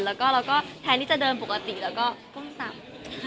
แล้วก็แทนที่เดินปกติละก็ก้มตัง